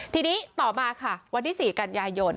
ทีนี้ต่อมาค่ะวันที่๔กันยายน